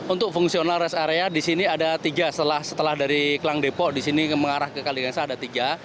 untuk fungsional rest area disini ada tiga setelah dari klang depok disini mengarah ke kaligansa ada tiga